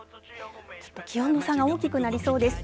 ちょっと気温の差が大きくなりそうです。